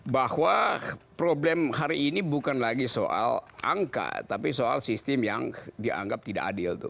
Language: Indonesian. bahwa problem hari ini bukan lagi soal angka tapi soal sistem yang dianggap tidak adil